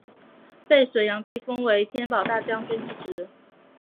被隋炀帝封为天保大将军之职。